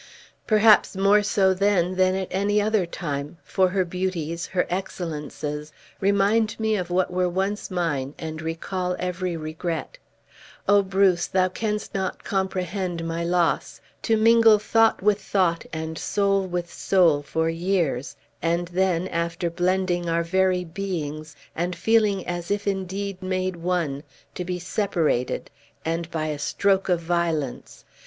"Perhaps more so then than at any other time; for her beauties, her excellences, remind me of what were once mine, and recall every regret. Oh, Bruce! thou canst not comprehend my loss! To mingle thought with thought, and soul with soul, for years; and then, after blending our very beings, and feeling as if indeed made one, to be separated and by a stroke of violence!